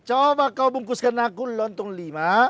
coba kau bungkuskan aku lontong lima